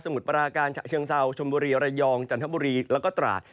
มุดปราการฉะเชิงเซาชมบุรีระยองจันทบุรีแล้วก็ตราด